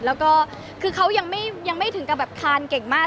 แล้วก็คือเขายังไม่ถึงกับแบบคานเก่งมาก